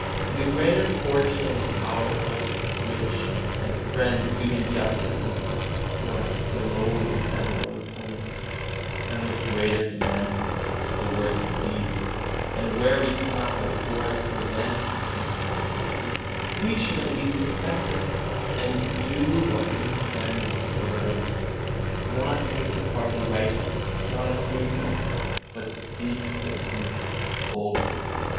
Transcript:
For the greater portion of the powerful, rich and friends do injustice and oppress the poor, the lowly, and their own opponents; and the greater the men, the worse the deeds; and where we cannot by force prevent it and help the truth, we should at least confess it, and do what we can with words, not take the part of the unrighteous, not approve them, but speak the truth boldly.